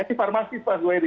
ketik farmasi pas gue jadi